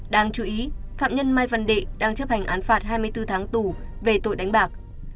đáng chú ý phạm nhân mai văn đệ đang chấp hành án phạt hai mươi bốn tháng tù về tội đánh bạc